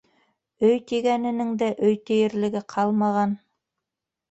Өй тигәненең дә өй тиерлеге ҡалмаған.